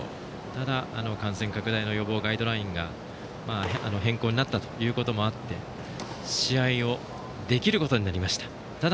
ただ、感染拡大の予防ガイドラインが変更になったということもあって試合をできることになりました。